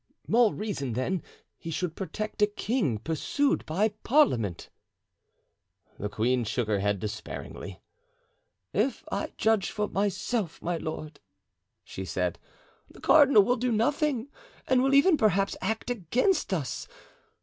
"More reason, then, he should protect a king pursued by parliament." The queen shook her head despairingly. "If I judge for myself, my lord," she said, "the cardinal will do nothing, and will even, perhaps, act against us.